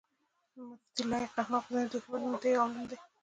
مفتي لائق احمد غزنوي د هېواد نوموتی عالم دی